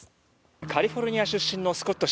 カリフォルニア出身のスコット氏。